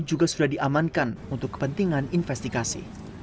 juga sudah diamankan untuk kepentingan investigasi